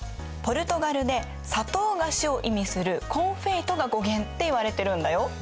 ポルトガルで砂糖菓子を意味する「コンフェイト」が語源って言われてるんだよ。